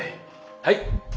はい。